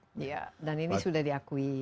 iya dan ini sudah diakui